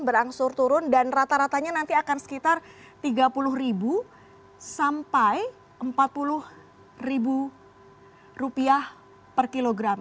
berangsur turun dan rata ratanya nanti akan sekitar tiga puluh ribu sampai empat puluh ribu rupiah per kilogram